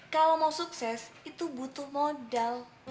kalau mau sukses itu butuh modal